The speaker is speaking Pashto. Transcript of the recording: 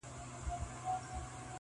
چوروندوک چي هم چالاکه هم هوښیار دی-